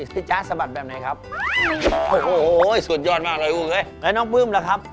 เพราะว่าหนูชอบเต้นเยอะแล้วค่ะ